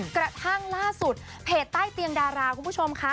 กระทั่งล่าสุดเพจใต้เตียงดาราคุณผู้ชมค่ะ